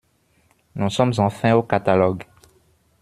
Nous sommes enfin au catalogue!